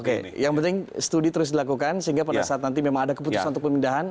oke yang penting studi terus dilakukan sehingga pada saat nanti memang ada keputusan untuk pemindahan